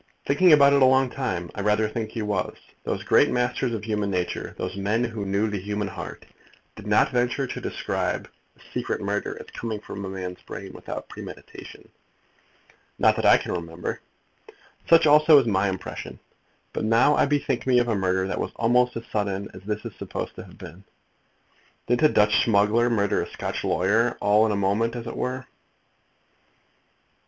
"Thinking about it a long time! I rather think he was. Those great masters of human nature, those men who knew the human heart, did not venture to describe a secret murder as coming from a man's brain without premeditation?" "Not that I can remember." "Such also is my impression. But now, I bethink me of a murder that was almost as sudden as this is supposed to have been. Didn't a Dutch smuggler murder a Scotch lawyer, all in a moment as it were?"